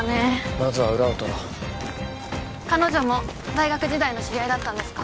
まずは裏を取ろう彼女も大学時代の知り合いだったんですか？